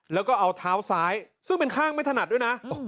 แล้วก็เอาเท้าซ้ายซึ่งเป็นข้างไม่ถนัดด้วยนะ